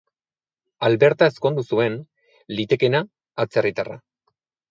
Alberta ezkondu zuen, litekeena atzerritarra.